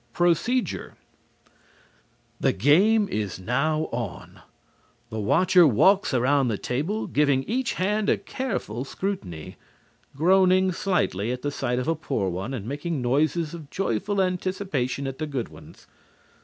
PROCEDURE The game is now on. The watcher walks around the table, giving each hand a careful scrutiny, groaning slightly at the sight of a poor one and making noises of joyful anticipation at the good ones.